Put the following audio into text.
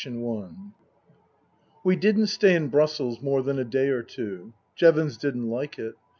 IV WE didn't stay in Brussels more than a day or two. Jevons didn't like it.